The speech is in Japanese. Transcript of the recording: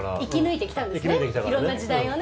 色んな時代をね。